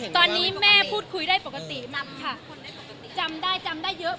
ตอนนี้แม่พูดคุยได้ปกติจำได้เยอะกว่าเดิม